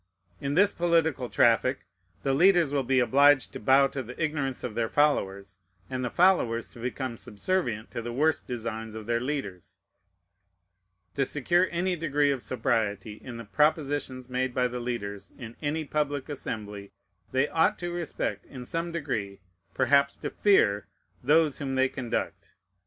In this political traffic, the leaders will be obliged to bow to the ignorance of their followers, and the followers to become subservient to the worst designs of their leaders. To secure any degree of sobriety in the propositions made by the leaders in any public assembly, they ought to respect, in some degree perhaps to fear, those whom they conduct.